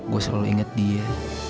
gue selalu ingat dia